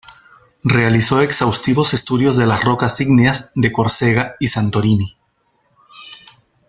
Realizó exhaustivos estudios de las rocas ígneas de Córcega y Santorini.